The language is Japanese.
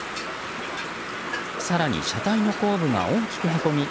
更に、車体の後部が大きくへこみ